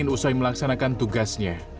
usai melaksanakan tugasnya